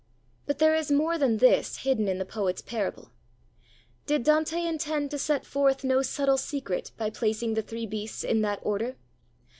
But there is more than this hidden in the poet's parable. Did Dante intend to set forth no subtle secret by placing the three beasts in that order?